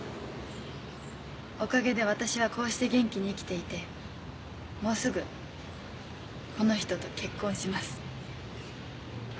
おかげで私はこうして元気に生きていてもうすぐこの人と結婚します。